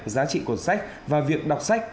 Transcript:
giá trị của sách và việc đọc sách